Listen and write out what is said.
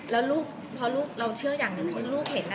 แล้วเพราะเราเชื่ออย่างนึง